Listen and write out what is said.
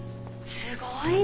すごいわ。